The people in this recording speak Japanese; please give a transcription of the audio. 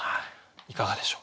いかがでしょう？